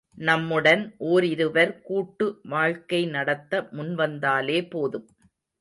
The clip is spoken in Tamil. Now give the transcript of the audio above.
நம்முடன் ஓரிருவர் கூட்டு வாழ்க்கை நடத்த முன்வந்தாலே போதும்.